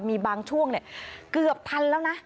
มีบางช่วงเกือบทันแล้วนะ